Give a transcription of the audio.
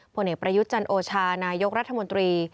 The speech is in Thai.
ผลเอกประยุทธ์จันโอชานายกรัฐมนตรี